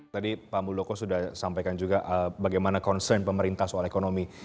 tadi pak muldoko sudah sampaikan juga bagaimana concern pemerintah soal ekonomi